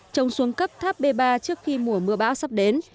trồng xuống cấp tháp b ba trước khi mùa mưa bão sắp đến